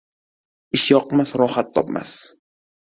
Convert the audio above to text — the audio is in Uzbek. Ishyoqmas rohat topmas.